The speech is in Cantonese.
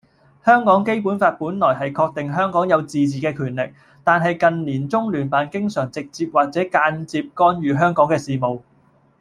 香港基本法本來係確定香港有自治嘅權力，但係近年中聯辦經常直接或者間接干預香港嘅事務。